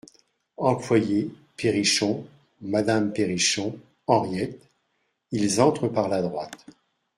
Employé, Perrichon, Madame Perrichon, Henriette Ils entrent par la droite.